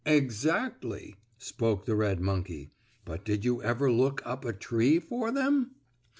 "Exactly," spoke the red monkey. "But did you ever look up a tree for them?"